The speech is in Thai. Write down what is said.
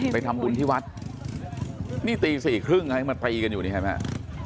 ไปทำบุญที่วัดนี่ตีสี่ครึ่งมาตีกันอยู่นี่เห็นไหม